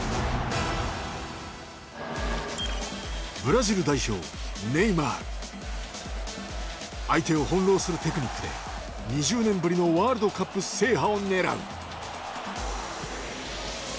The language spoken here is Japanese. ブラジル代表相手を翻弄するテクニックで２０年ぶりのワールドカップ制覇を狙う。